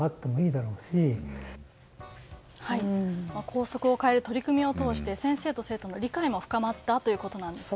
校則を変える取り組みを通して先生と生徒の理解も深まったということです。